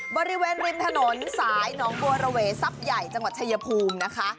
บริเวณริมถนนสายหนองบัวระเวทรัพย์ใหญ่จังหวัดชายภูมินะคะ